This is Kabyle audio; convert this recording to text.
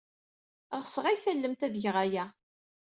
Ɣseɣ ad iyi-tallemt ad geɣ aya.